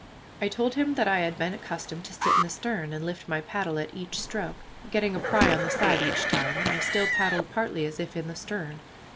I told him that I had been accustomed to sit in the stern, and lift my paddle at each stroke, getting a pry on the side each time, and I still paddled partly as if in the stern.